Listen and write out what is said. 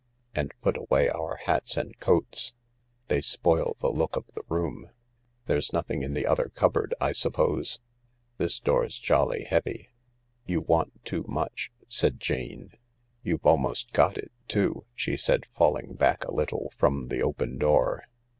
And put away our hats and coats— they spoil the look 80 THE LARK of the room. There's nothing in the other cupboard, I suppose ?" "This door's jolly heavy. You want too much," said Jane. " You've almost got it too/' she said, falling back a little from the open door.